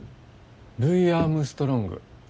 ルイ・アームストロング。